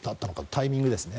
タイミングですね。